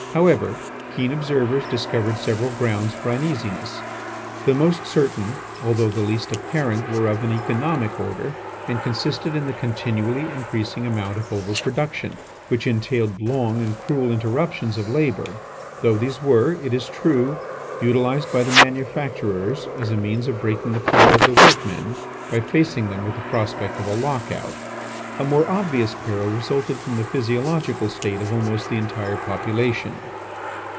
However, keen observers discovered several grounds for uneasiness. The most certain, although the least apparent, were of an economic order, and consisted in the continually increasing amount of over production, which entailed long and cruel interruptions of labour, though these were, it is true, utilized by the manufacturers as a means of breaking the power of the workmen, by facing them with the prospect of a lock out. A more obvious peril resulted from the physiological state of almost the entire population.